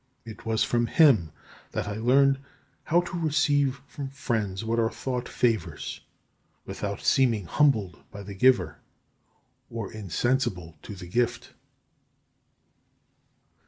It was from him that I learned how to receive from friends what are thought favours without seeming humbled by the giver or insensible to the gift.